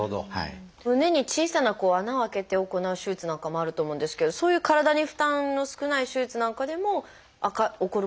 胸に小さな穴を開けて行う手術なんかもあると思うんですけどそういう体に負担の少ない手術なんかでも起こることもありますか？